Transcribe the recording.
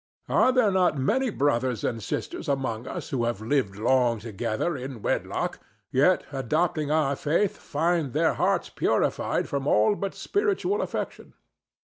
Are there not many brethren and sisters among us who have lived long together in wedlock, yet, adopting our faith, find their hearts purified from all but spiritual affection?"